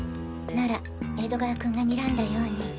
なら江戸川君がにらんだように。